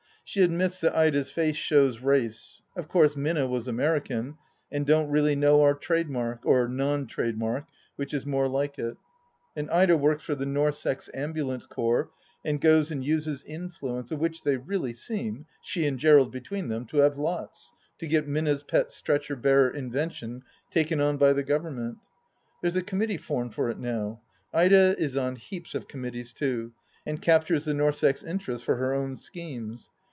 She admits that Ida's face shows "race." Of course Minna was American, and don't really know our trademark — or non trademark, which is more like it. And Ida works for the " Norssex " Ambu lance Corps, and goes and uses influence, of which they really seem, she and Gerald between them, to have lots, to get Minna's pet Stretcher Bearer invention taken on by, the Government. There's a committee formed for it now. Ida is on heaps of committees, too, and captures the Norssex in terest for her own schemes.